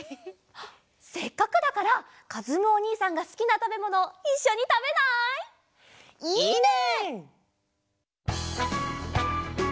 せっかくだからかずむおにいさんがすきなたべものをいっしょにたべない？いいね！